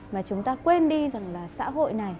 mà chúng ta quên đi rằng là xã hội này